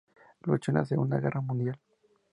Luchó en la Segunda Guerra Mundial.